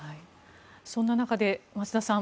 そんな中で、増田さん